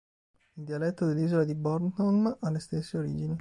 Il dialetto dell'isola di Bornholm ha le stesse origini.